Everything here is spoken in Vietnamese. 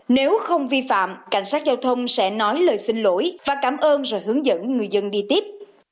nếu không vi phạm cảnh sát giao thông sẽ nói lời xin lỗi và cảm ơn rồi hướng dẫn người dân đi tiếp